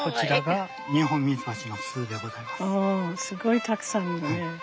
おぉすごいたくさんやね。